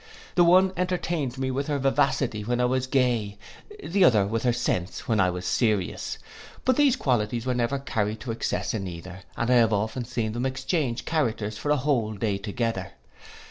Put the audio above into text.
The one entertained me with her vivacity when I was gay, the other with her sense when I was serious. But these qualities were never carried to excess in either, and I have often seen them exchange characters for a whole day together.